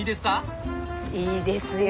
いいですよ。